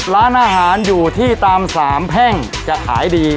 ร้านอาหารอยู่ที่ตามสามแพ่งจะขายดี